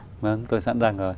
vâng tôi sẵn sàng rồi